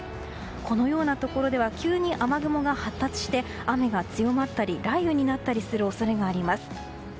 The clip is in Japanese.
このようなところでは急に雨雲が発達して雨が強まったり雷雨になったりする恐れがあります。